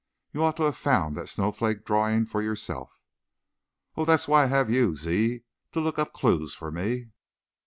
You ought to have found that snowflake drawing for yourself." "Oh, that's what I have you for, Ziz, to look up clews for me."